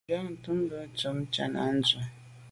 Njantùn bùnte ntshob Tshana ndù.